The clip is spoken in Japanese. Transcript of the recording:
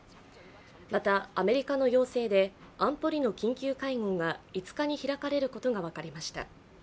また、アメリカの要請で安保理の緊急会合が５日に開かれることが分かりました